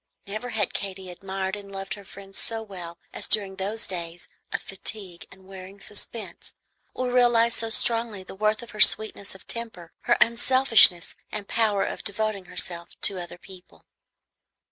Never had Katy admired and loved her friend so well as during those days of fatigue and wearing suspense, or realized so strongly the worth of her sweetness of temper, her unselfishness and power of devoting herself to other people.